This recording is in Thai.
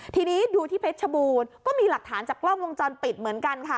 ทีนี้ดูที่เพชรชบูรณ์ก็มีหลักฐานจากกล้องวงจรปิดเหมือนกันค่ะ